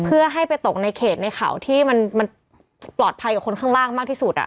เพื่อให้ไปตกในเขตในเขาที่มันปลอดภัยกับคนข้างล่างมากที่สุด